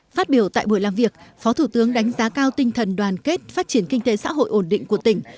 phát biểu tại buổi làm việc phó thủ tướng đánh giá cao tinh thần đoàn kết phát triển kinh tế xã hội ổn định của tỉnh